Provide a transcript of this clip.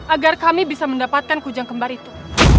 agar kami bisa mendapatkan kujang kembar itu